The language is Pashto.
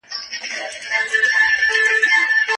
دا مربع ده او دا مثلث دئ.